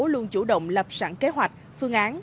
luôn chủ động lập sẵn kế hoạch phương án